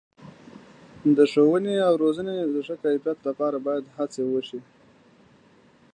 د ښوونې او روزنې د ښه کیفیت لپاره باید هڅې وشي.